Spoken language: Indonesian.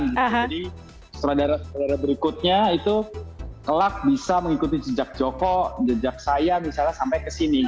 jadi seradara seradara berikutnya itu kelak bisa mengikuti jejak joko jejak saya misalnya sampai ke sini